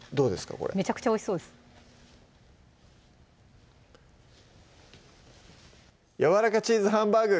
これめちゃくちゃおいしそうです「やわらかチーズハンバーグ」